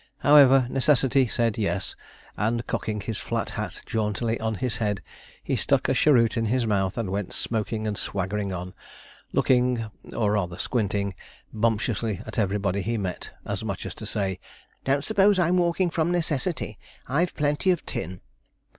However, necessity said yes; and cocking his flat hat jauntily on his head, he stuck a cheroot in his mouth, and went smoking and swaggering on, looking or rather squinting bumptiously at everybody he met, as much as to say, 'Don't suppose I'm walking from necessity! I've plenty of tin.'